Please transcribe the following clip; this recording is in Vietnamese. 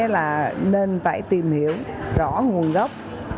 là nên phải tìm hiểu rõ nguồn gốc